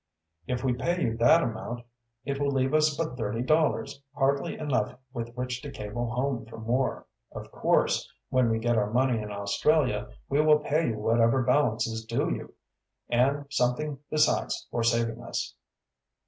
"If we pay you that amount it will leave us but thirty dollars, hardly enough with which to cable home for more. Of course, when we get our money in Australia we will pay you whatever balance is due you, and something besides for saving us."